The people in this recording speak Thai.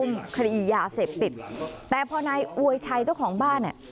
คดียาเสพติดแต่พอนายอวยชัยเจ้าของบ้านเนี่ย